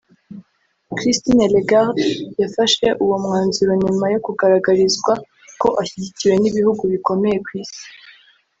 Christine Lagarde yafashe uwo mwanzuro nyuma yo kugaragarizwa ko ashyigikiwe n’ibihugu bikomeye ku Isi